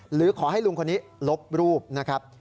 หรือขอให้ลุงคนนี้ลบรูปนะครับ